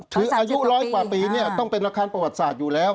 คืออายุร้อยกว่าปีเนี่ยต้องเป็นอาคารประวัติศาสตร์อยู่แล้ว